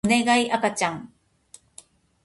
おねがい赤ちゃん